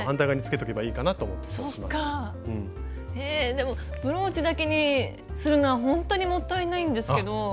でもブローチだけにするのはほんとにもったいないんですけど。